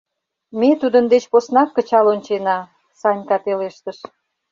Ме тудын деч поснак кычал ончена — Санька пелештыш.